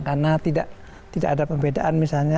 karena tidak ada pembedaan misalnya